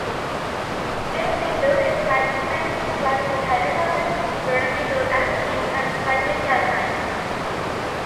These include cyclophanes, Platonic hydrocarbons, pyramidal alkenes, and cyclic alkynes.